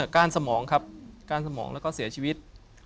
ก้านสมองครับก้านสมองแล้วก็เสียชีวิต